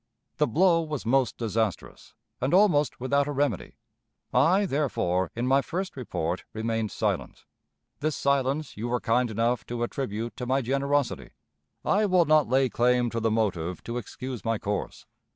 The blow was most disastrous, and almost without a remedy. I therefore, in my first report, remained silent. This silence you were kind enough to attribute to my generosity. I will not lay claim to the motive to excuse my course.